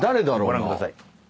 ご覧ください。